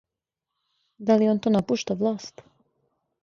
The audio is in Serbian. Да ли он то напушта власт?